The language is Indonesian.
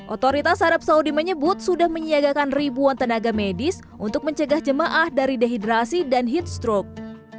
otoritas arab saudi menyebut sudah menyiagakan ribuan tenaga medis untuk mencegah jemaah dari dehidrasi dan heat stroke